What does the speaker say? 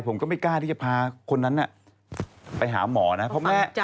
ผมก็ไม่กล้าที่จะพาคนนั้นไปหาหมอนะ